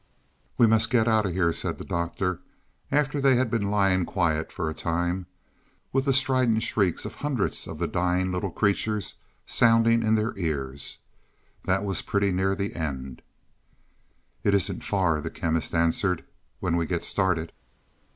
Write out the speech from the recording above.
"We must get out of here," said the Doctor, after they had been lying quiet for a time, with the strident shrieks of hundreds of the dying little creatures sounding in their ears. "That was pretty near the end." "It isn't far," the Chemist answered, "when we get started."